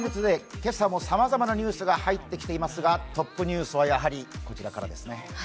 今朝もさまざまなニュースが入ってきていますが、トップニュースはこちらからです。